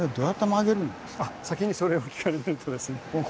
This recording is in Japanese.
先にそれを聞かれるとですね。